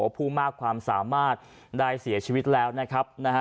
ผู้มากความสามารถได้เสียชีวิตแล้วนะครับนะฮะ